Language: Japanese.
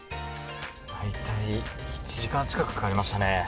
大体１時間近くかかりましたね。